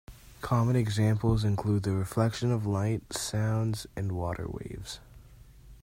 Common examples include the reflection of light, sound and water waves.